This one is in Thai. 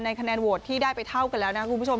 คะแนนโหวตที่ได้ไปเท่ากันแล้วนะคุณผู้ชม